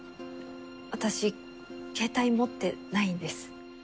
私、携帯持ってないんです。